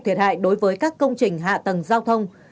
thiệt hại đối với các công trình hạ tầng giao thông